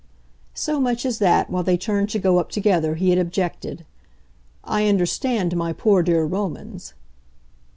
So much as that, while they turned to go up together, he had objected. "I understood my poor dear Romans."